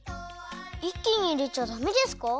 いっきにいれちゃダメですか？